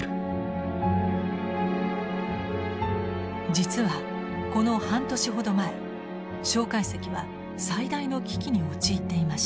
実はこの半年ほど前介石は最大の危機に陥っていました。